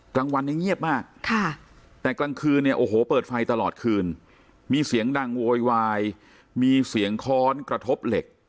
กลางวันเนี่ยเงียบมากแต่กลางคืนเนี่ยโอ้โหเปิดไฟตลอดคืนมีเสียงดังโวยวายมีเสียงค้อนกระทบเหล็ก